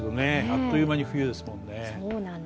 あっという間に冬ですもんね。